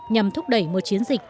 nhằm thúc đẩy một chiến dịch